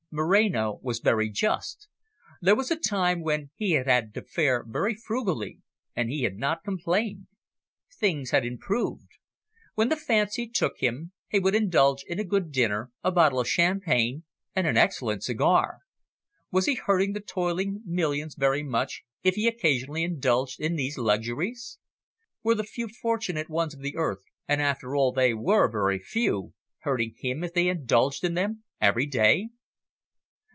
Moreno was very just. There was a time when he had had to fare very frugally, and he had not complained. Things had improved. When the fancy took him, he would indulge in a good dinner, a bottle of champagne, and an excellent cigar. Was he hurting the toiling millions very much if he occasionally indulged in these luxuries? Were the few fortunate ones of the earth, and after all they were very few, hurting him if they indulged in them every day?